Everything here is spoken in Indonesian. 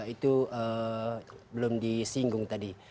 itu belum disinggung tadi